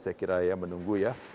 saya kira ya menunggu ya